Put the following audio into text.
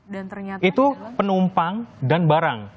dan ternyata itu penumpang dan barang